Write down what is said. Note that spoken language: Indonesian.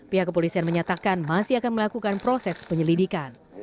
pihak kepolisian menyatakan masih akan melakukan proses penyelidikan